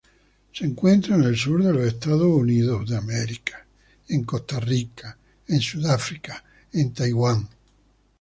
Se encuentra en el sur de Estados Unidos a Costa Rica, Sudáfrica, Taiwan.